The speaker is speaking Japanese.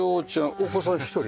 お子さん１人？